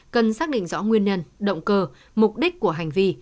cần xác định rõ nguyên nhân động cơ mục đích của hành vi